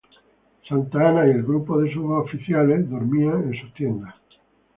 Santa Anna y el grupo de sus oficiales dormían en sus tiendas.